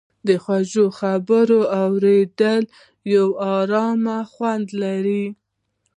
د خوږې خبرې اورېدل یو ارامه خوند لري.